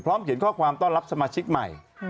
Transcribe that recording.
เขียนข้อความต้อนรับสมาชิกใหม่